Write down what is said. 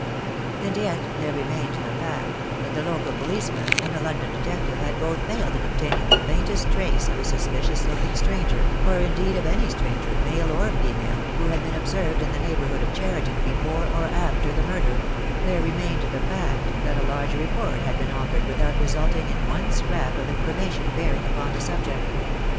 And yet there remained the fact that the local police man and a London detective had both failed in obtaining the faintest trace of a suspicious looking stranger, or in deed of any stranger, male or female, who had been ob served in the neighbourhood of Cheriton before or after the murder; there remained the fact that a large reward had been offered without resulting in one scrap of in formation bearing upon the subject.